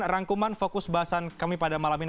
rangkuman fokus bahasan kami pada malam ini